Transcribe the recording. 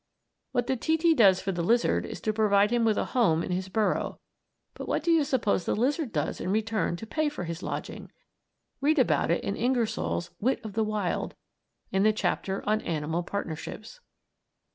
What the titi does for the lizard is to provide him with a home in his burrow, but what do you suppose the lizard does in return to pay for his lodging? Read about it in Ingersoll's "Wit of the Wild," in the chapter on "Animal Partnerships."